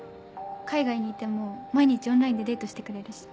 海外にいても毎日オンラインでデートしてくれるし。